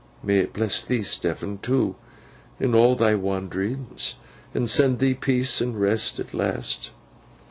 'May it bless thee, Stephen, too, in all thy wanderings, and send thee peace and rest at last!